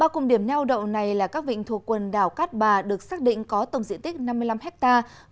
ba cụm điểm neo đậu này là các vịnh thuộc quần đảo cát bà được xác định có tổng diện tích năm mươi năm hectare